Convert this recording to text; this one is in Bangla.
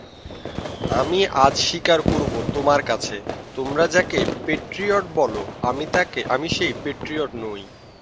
আমি আজ স্বীকার করব তোমার কাছে,–তোমরা যাকে পেট্রিয়ট বলো আমি সেই পেট্রিয়ট নই।